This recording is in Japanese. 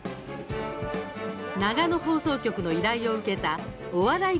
長野放送局の依頼を受けたお笑い